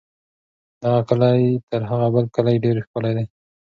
دغه کلی تر هغه بل کلي ډېر ښکلی دی.